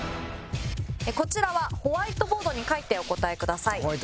こちらはホワイトボードに書いてお答えください。